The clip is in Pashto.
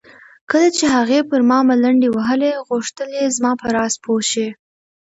کله چې هغې پر ما ملنډې وهلې غوښتل یې زما په راز پوه شي.